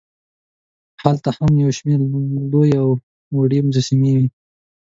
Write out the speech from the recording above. هلته هم یوشمېر لوې او وړې مجسمې وې.